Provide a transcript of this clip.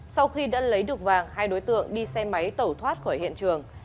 sau khi đã lấy được vàng hai đối tượng đi xe máy tẩu thoát khỏi hiện trường